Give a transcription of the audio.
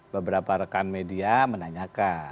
beberapa rekan media menanyakan